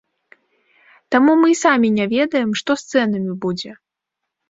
Таму мы і самі не ведаем, што з цэнамі будзе.